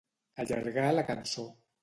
Allargar la cançó.